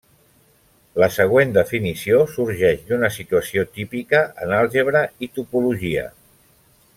La següent definició sorgeix d'una situació típica en àlgebra i topologia.